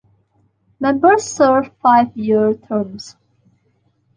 Members serve five-year terms.